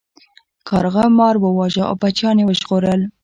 کارغه مار وواژه او بچیان یې وژغورل.